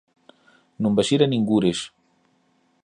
Non vas ir a ningures.